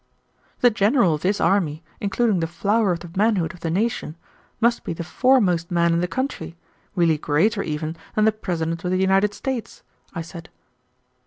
"The general of this army, including the flower of the manhood of the nation, must be the foremost man in the country, really greater even than the President of the United States," I said.